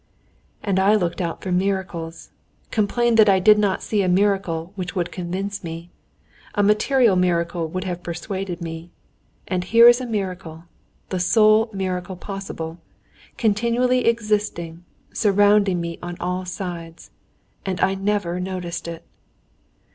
"And I looked out for miracles, complained that I did not see a miracle which would convince me. A material miracle would have persuaded me. And here is a miracle, the sole miracle possible, continually existing, surrounding me on all sides, and I never noticed it!